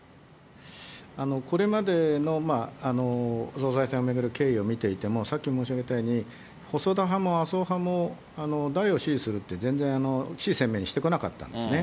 これまでの総裁選を巡る経緯を見ていても、さっきも申し上げたように、細田派も麻生派も、誰を支持するって全然鮮明にしてこなかったんですね。